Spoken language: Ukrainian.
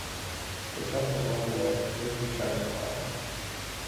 Спочатку нам було незвичайно гарно.